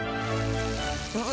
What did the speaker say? うわ！